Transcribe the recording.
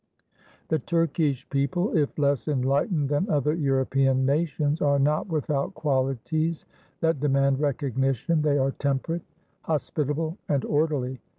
The Turkish people, if less enlightened than other European nations, are not without qualities that demand recognition. They are temperate, hospitable, and orderly.